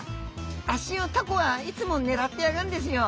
あっしをタコはいつも狙ってやがるんですよ」。